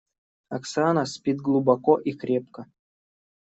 Оксана спит глубоко и крепко.